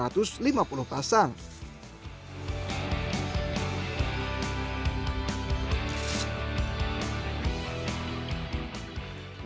tapi setelah itu dia juga sudah menang